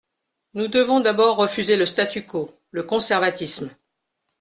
Nous devons d’abord refuser le statu quo, le conservatisme.